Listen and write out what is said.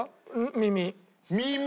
耳！？